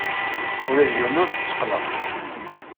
Ula d yiwen ur t-tteqqneɣ.